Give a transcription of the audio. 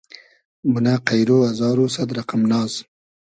مونۂ قݷرۉ ازار و سئد رئقئم ناز